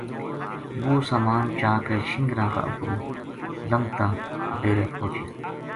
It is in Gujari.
وہ سامان چا کے شنگراں کا اُپروں لنگتا ڈیرے پوہچیا